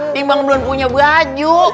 timbang belum punya baju